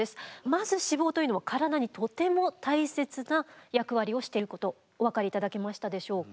まず脂肪というのは体にとても大切な役割をしてることお分かり頂けましたでしょうか？